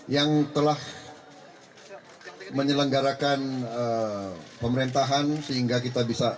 yang telah menyelenggarakan rp dua puluh lima pemerintahan sehingga kita bisa